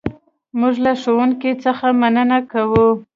موږ له ښوونکي څخه مننه کوو.